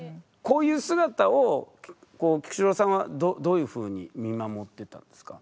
こういう姿を菊紫郎さんはどういうふうに見守ってたんですか？